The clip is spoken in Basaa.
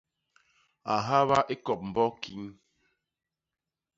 A nhaba ikop mbok kiñ.